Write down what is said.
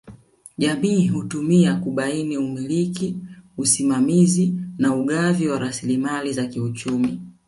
Jamii hutumia kubaini umiliki usimamizi na ugavi wa rasilimali za kiuchumi